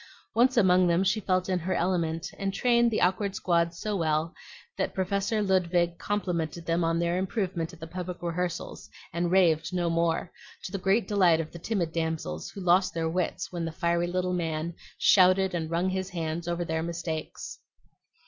Once among them she felt in her element, and trained the awkward squad so well that Professor Ludwig complimented them on their improvement at the public rehearsals, and raved no more, to the great delight of the timid damsels, who lost their wits when the fiery little man shouted and wrung his hands over their mistakes.